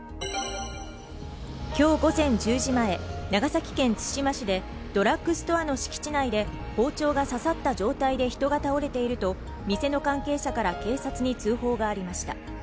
今日午前１０時前、長崎県対馬市でドラッグストアの敷地内で包丁が刺さった状態で人が倒れていると店の関係者から警察に通報がありました。